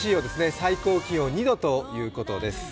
最高気温２度ということです。